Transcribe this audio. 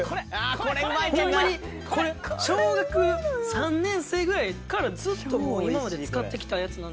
ホンマにこれ小学３年生ぐらいからずっともう今まで使ってきたやつなので。